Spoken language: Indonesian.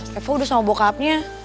reva udah sama bokapnya